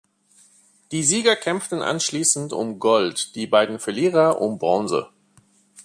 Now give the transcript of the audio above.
Die Sieger kämpften anschließend um Gold, die beiden Verlierer um Bronze.